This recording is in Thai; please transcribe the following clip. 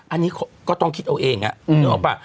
อันนี้ก็ต้องคิดเอาเองเห็นหรือเปล่า